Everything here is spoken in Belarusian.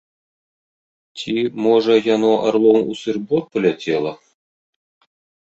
Ці, можа, яно арлом у сыр-бор паляцела?